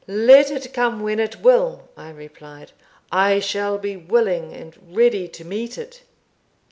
"Let it come when it will," I replied, "I shall be willing and ready to meet it.